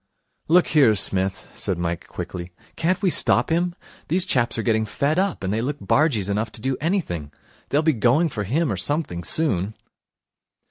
'Look here, Smith,' said Mike quickly, 'can't we stop him? These chaps are getting fed up, and they look bargees enough to do anything. They'll be going for him or something soon.'